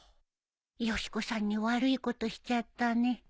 よし子さんに悪いことしちゃったね。